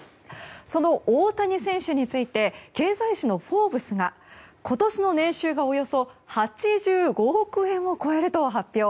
その大谷選手について経済誌の「フォーブス」が今年の年収がおよそ８５億円を超えると発表。